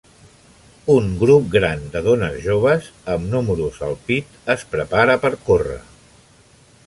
Un grup gran de dones joves amb números al pit es prepara per córrer.